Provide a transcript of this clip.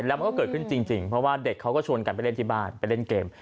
แล้วมันก็เกิดขึ้นจริงเพราะว่าเด็กเขาก็ชวนกันไปเล่นที่บ้านไปเล่นเกม